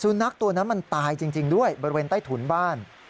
นักตัวนั้นมันตายจริงด้วยบริเวณใต้ถุนบ้าน